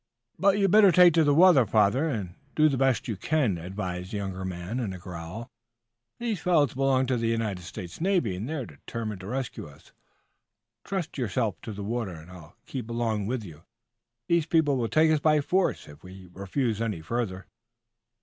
"Better take to the water, father, and do the best you can," advised the younger man in a growl. "These fellows belong to the United States Navy, and they're determined to rescue us. Trust yourself to the water, and I'll keep along with you. These people will take us by force if we refuse any further."